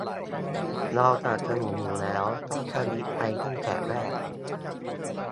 เราสนับสนุนอยู่แล้ว ก็ทวีตไปตั้งแต่แรก